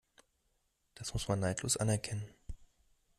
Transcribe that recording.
Das muss man neidlos anerkennen.